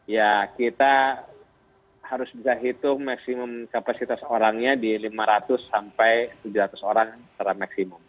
ya kita harus bisa hitung maksimum kapasitas orangnya di lima ratus sampai tujuh ratus orang secara maksimum